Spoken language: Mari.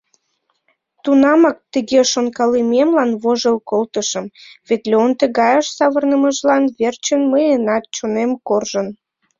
Тунамак тыге шонкалымемлан вожыл колтышым: вет Леон тыгайыш савырнымыжлан верчын мыйынат чонем коржын.